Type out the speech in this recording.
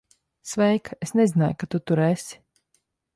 Sveika. Es nezināju, ka tu tur esi.